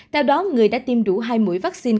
theo đó người đã tiêm đủ hai mũi vaccine